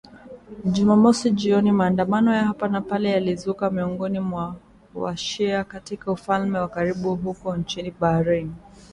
Jumamosi jioni maandamano ya hapa na pale yalizuka miongoni mwa wa-shia katika ufalme wa karibu huko nchini Bahrain